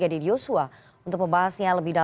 jadi begini mbak ipanang tadi pak egy